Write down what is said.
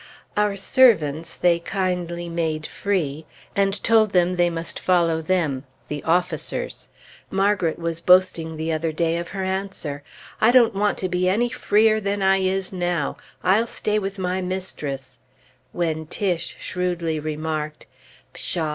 Our servants they kindly made free, and told them they must follow them (the officers). Margret was boasting the other day of her answer, "I don't want to be any free er than I is now I'll stay with my mistress," when Tiche shrewdly remarked, "Pshaw!